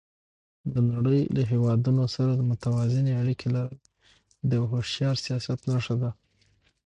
د نړۍ له هېوادونو سره متوازنې اړیکې لرل د یو هوښیار سیاست نښه ده.